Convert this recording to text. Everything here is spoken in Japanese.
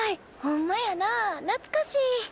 ほんまやなあなつかしい。